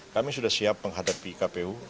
kami sudah siap menghadapi kpu